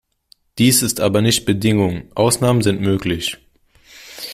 Dies ist aber nicht Bedingung, Ausnahmen sind möglich.